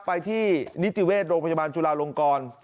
ไปที่นิติเวชโรงพยาบาลจุลาลงกร